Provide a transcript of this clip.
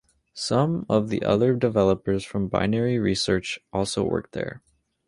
Some of the other developers from Binary Research also work there.